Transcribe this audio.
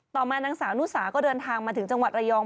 มานางสาวนุสาก็เดินทางมาถึงจังหวัดระยอง